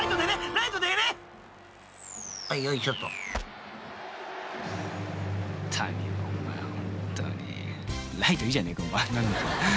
ライトいいじゃねえかお前］